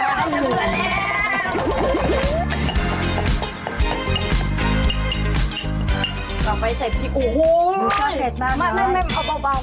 โอ้โฮเท่าไรแต่เหมือนว่าแล้ว